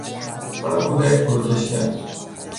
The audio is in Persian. تب کودک فروکش کرد.